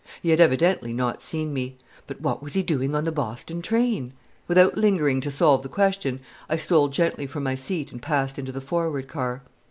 He had evidently not seen me. But what was he doing on the Boston train? Without lingering to solve the question, I stole gently from my seat and passed into the forward car.